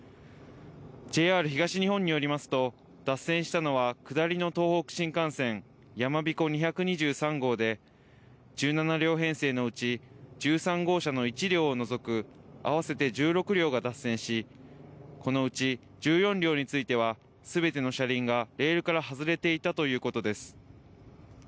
ＪＲ東日本によりますと、脱線したのは下りの東北新幹線やまびこ２２３号で、１７両編成のうち１３号車の１両を除く、合わせて１６両が脱線し、このうち１４両については、すべての車輪がレールから外れていたということです。